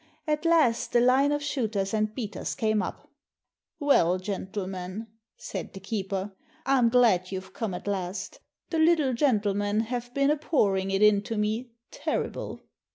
At last the line of shooters and beat ers came up :—" Well, gentlemen," said the keeper, " I 'm glad you 've come at last; the Httle gentleman have been a pouring it into me, terrible!"